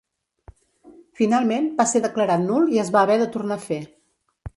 Finalment va ser declarat nul i es va haver de tornar a fer.